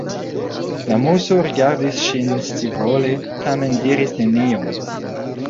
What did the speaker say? La Muso rigardis ŝin scivole, tamen diris nenion.